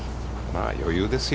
余裕ですよ。